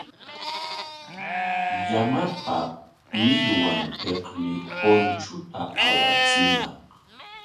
Llamapa millwanpikmi punchunta awachiñaq.